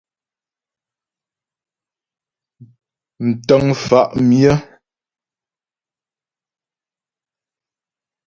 Ntə́ŋ mfá' myə́.